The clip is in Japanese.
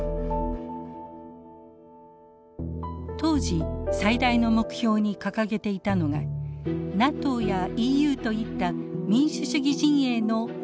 当時最大の目標に掲げていたのがＮＡＴＯやＥＵといった民主主義陣営の一員になることでした。